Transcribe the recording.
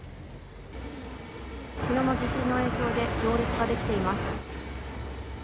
きのうの地震の影響で、行列が出来ています。